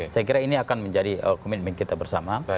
saya kira ini akan menjadi komitmen kita bersama